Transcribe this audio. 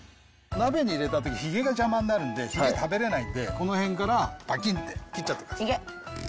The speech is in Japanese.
鍋に入れた時ヒゲが邪魔になるんでヒゲ食べられないんでこの辺からバキンって切っちゃってください。